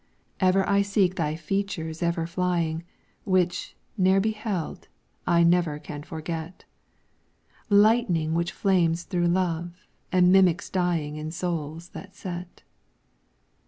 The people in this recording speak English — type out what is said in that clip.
Ever I seek Thy features ever flying, Which, ne'er beheld, I never can forget: Lightning which flames through love, and mimics dying In souls that set.